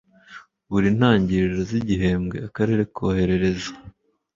Buri ntangiriro z igihembwe Akarere koherereza